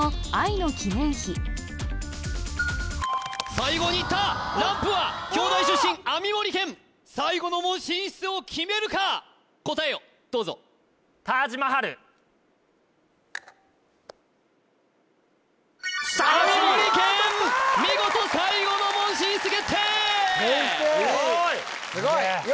最後にいったランプは京大出身網盛健最後の門進出を決めるか答えをどうぞ網盛健見事最後の門進出決定！